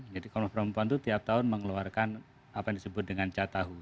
jadi komnas perempuan itu tiap tahun mengeluarkan apa yang disebut dengan catahuh